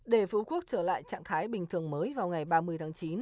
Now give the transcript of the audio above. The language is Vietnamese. để phú quốc trở lại trạng thái bình thường mới vào ngày ba mươi tháng chín